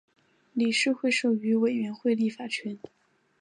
理事会授予委员会立法权。